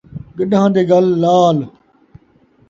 گݙان٘ھ دے ڳل لعل